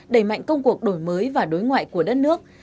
đẩy mạnh công cuộc đổi mới và đối ngoại của đất nước